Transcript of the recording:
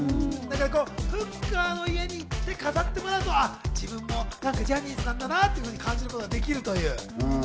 ふっかの家に行って飾ってもらうのが、自分もジャニーズなんだなぁって感じることができるという。